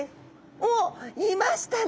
おっいましたね！